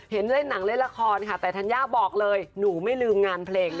เล่นหนังเล่นละครค่ะแต่ธัญญาบอกเลยหนูไม่ลืมงานเพลง